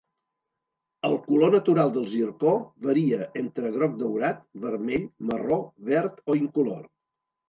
El color natural del zircó varia entre groc-daurat, vermell, marró, verd o incolor.